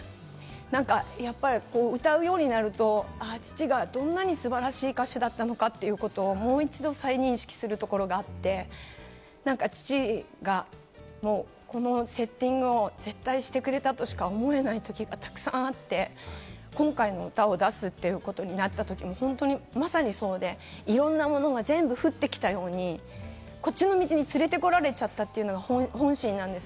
何か歌うようになると、父がどんなに素晴らしい歌手だったのかということをもう一度、再認識するところがあって、なんか父がこのセッティングを絶対してくれたとしか思えないときがたくさんあって、今回の歌を出すということになったときもまさにそうで、いろんなものが全部降ってきたように、こっちの道に連れてこられちゃったというのが本心なんです。